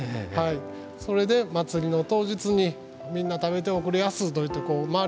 それで祭りの当日に「みんな食べておくれやす」と言って周り